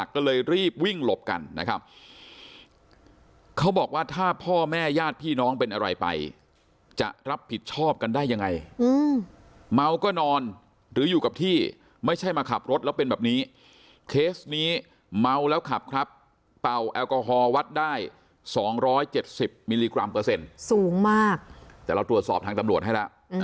คลิปแรกอาจจะดูเหมือนมีคนไม่เยอะเท่าไหร่